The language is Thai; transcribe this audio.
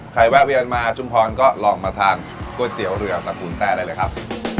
แวะเวียนมาชุมพรก็ลองมาทานก๋วยเตี๋ยวเรือตระกูลแต้ได้เลยครับ